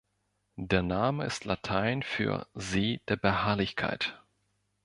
Der Name ist Latein für See der Beharrlichkeit.